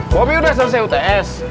bobby udah selesai uts